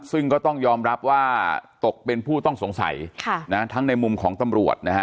ซึ่งก็ต้องยอมรับว่าตกเป็นผู้ต้องสงสัยทั้งในมุมของตำรวจนะฮะ